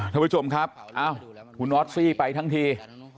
ท่านผู้ชมครับคุณออสซี่ไปทั้งที